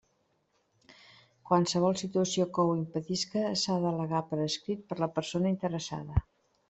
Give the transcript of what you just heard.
Qualsevol situació que ho impedisca s'ha d'al·legar per escrit per la persona interessada.